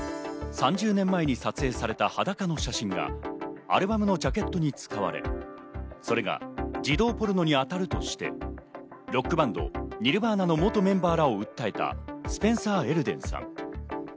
３０年前に撮影された裸の写真がアルバムのジャケットに使われ、それが児童ポルノにあたるとして、ロックバンド、ニルヴァーナの元メンバーらを訴えたスペンサー・エルデンさん。